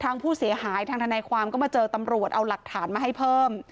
ทางผู้เสียหายทางทนายความก็มาเจอตำรวจเอาหลักฐานมาให้เพิ่ม